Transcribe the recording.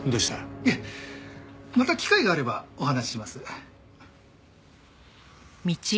いえまた機会があればお話しします。